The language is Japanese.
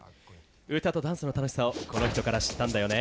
歌とダンスの楽しさをこの人から知ったんだよね。